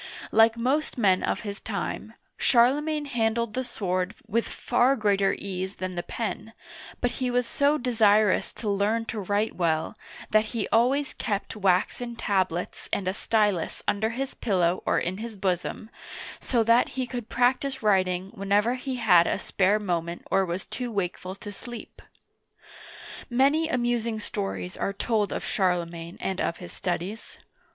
Like most men of his time, Charlemagne handled the sword with far greater ease than the pen, but he was so desirous to learn to write well, that he always kept waxen tablets and a stylus under his pillow or in his bosom, so that he could practice writing whenever he had a spare moment or was too wakeful to sleep. Many amusing stories are told of Charlemagne and of his studies.